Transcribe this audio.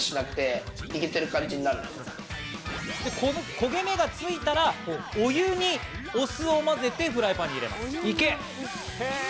焦げ目がついたらお湯にお酢を混ぜてフライパンに入れます。